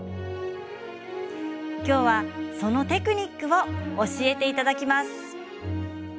今日はそのテクニックを教えていただきます。